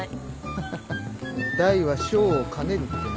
ハハハ大は小を兼ねるってな。